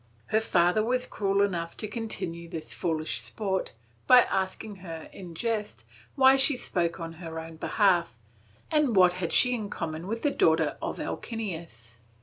Her father was cruel enough to continue this foolish sport, by asking her, in jest, why she spoke on her own behalf and what had she in common with the daughter of Alcinous.